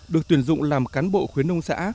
được tuyển dụng làm cán bộ khuyến nông xã